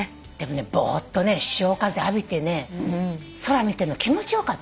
ぼーっとね潮風浴びてね空見てるの気持ち良かった。